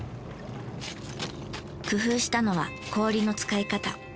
工夫したのは氷の使い方。